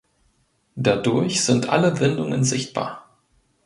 Dadurch sind alle Windungen sichtbar.